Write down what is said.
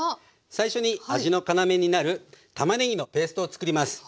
最初に味の要になるたまねぎのペーストをつくります。